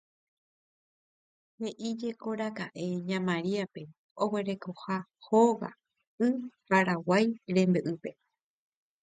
He'íjekoraka'e ña Mariápe oguerekoha hóga y Paraguái rembe'ýpe